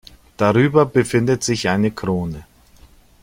Darüber befindet sich eine Krone.